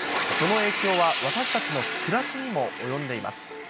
その影響は私たちの暮らしにも及んでいます。